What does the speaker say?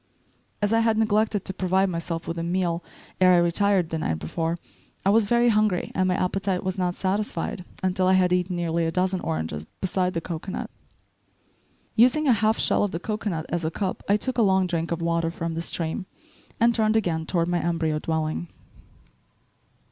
As I had neglected to provide myself with a meal ere I retired the night before, I was very hungry and my appetite was not satisfied until I had eaten nearly a dozen oranges, beside the cocoanut. Using a half shell of the cocoanut as a cup, I took a long drink of water from the stream and turned again toward my embryo dwelling.